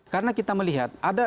karena kita melihat ada